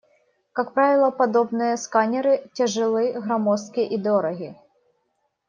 Как правило, подобные сканеры тяжелы, громоздки и дороги.